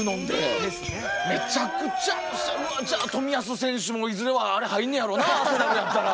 めちゃくちゃおしゃじゃあ冨安選手もいずれはあれ入んねやろなアーセナルやったら。